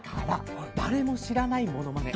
本当に誰も知らないものまね。